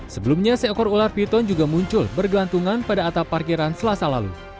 sebelumnya seekor ular piton juga muncul bergelantungan pada atap parkiran selasa lalu